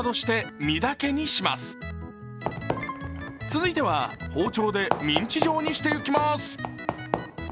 続いては包丁でミンチ状にしていきます。